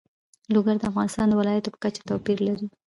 لوگر د افغانستان د ولایاتو په کچه توپیر لري.